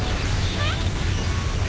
えっ！？